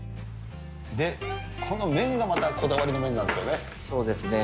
この麺がまたこだわりの麺なそうですね。